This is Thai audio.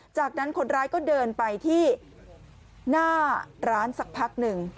จากนั้นคนร้ายก็เดินไปที่หน้าร้านสักพักหนึ่ง